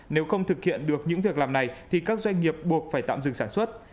nếu không thực hiện được những việc làm này thì các doanh nghiệp buộc phải tạm dừng sản xuất